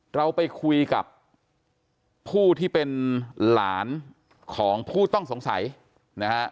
เราไปคุยกับผู้ที่เป็นหลานของผู้ต้องสงสัยนะฮะ